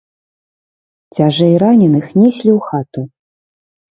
Цяжэй раненых неслі ў хату.